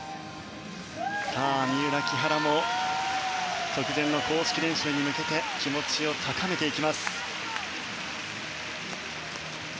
三浦、木原も直前の公式練習に向けて気持ちを高めていきます。